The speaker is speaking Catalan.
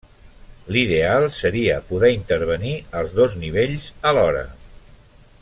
L'ideal seria poder intervenir als dos nivells alhora.